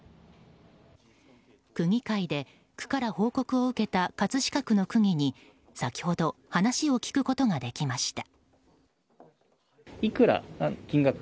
区議会で区から報告を受けた葛飾区の区議に先ほど話を聞くことができました。